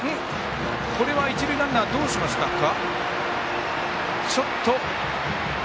これは一塁ランナーはどうしましたか？